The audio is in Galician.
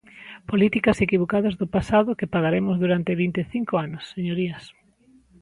Políticas equivocadas do pasado que pagaremos durante vinte e cinco anos, señorías.